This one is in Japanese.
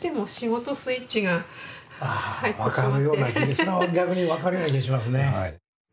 それは逆に分かるような気がしますね。